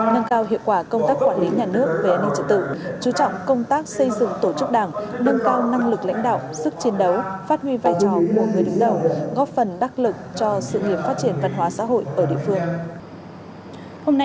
nâng cao hiệu quả công tác quản lý nhà nước về an ninh trật tự chú trọng công tác xây dựng tổ chức đảng nâng cao năng lực lãnh đạo sức chiến đấu phát huy vai trò của người đứng đầu góp phần đắc lực cho sự nghiệp phát triển văn hóa xã hội ở địa phương